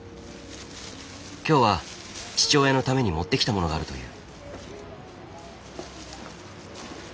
今日は父親のために持ってきたものがあるという。